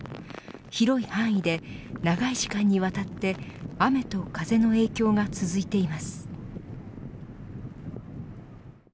広い範囲で長い時間にわたって雨と風の影響が続いています。